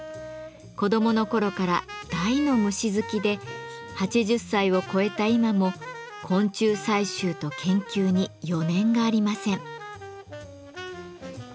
子どもの頃から大の虫好きで８０歳を超えた今も昆虫採集と研究に余念がありません。